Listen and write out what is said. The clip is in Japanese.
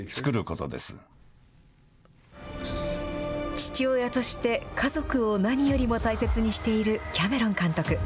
父親として、家族を何よりも大切にしているキャメロン監督。